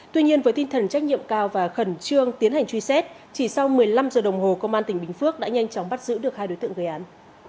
tuy nhiên với tinh thần trách nhiệm cao và khẩn trương tiến hành truy xét chỉ sau một mươi năm giờ đồng hồ công an tỉnh bình phước đã nhanh chóng bắt giữ được hai đối tượng gây án